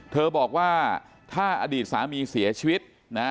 เธอบอกว่าถ้าอดีตสามีเสียชีวิตนะ